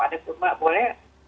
mau ada kurma boleh